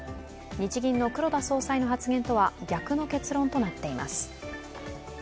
日銀の黒田総裁の発言とは逆の結論となっています。